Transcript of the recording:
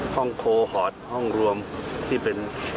ห้องโคศห้องรวมที่เป็น